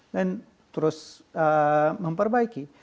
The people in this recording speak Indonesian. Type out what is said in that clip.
dan terus memperbaiki